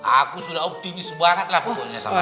aku sudah optimis bangetlah pokoknya sama kau